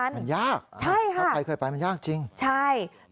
มันยากถ้าใครเคยไปมันยากจริงใช่ค่ะใช่ค่ะ